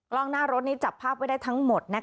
กล้องหน้ารถนี้จับภาพไว้ได้ทั้งหมด